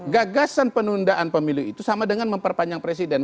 gagasan penundaan pemilu itu sama dengan memperpanjang presiden